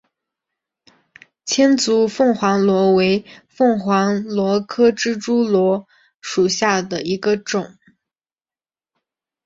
千足凤凰螺为凤凰螺科蜘蛛螺属下的一个种。